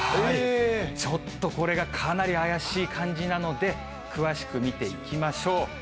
ちょっとこれがかなり怪しい感じなので、詳しく見ていきましょう。